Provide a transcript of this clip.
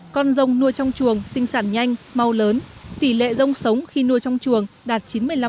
con rồng nuôi trong chuồng sinh sản nhanh mau lớn tỷ lệ rông sống khi nuôi trong chuồng đạt chín mươi năm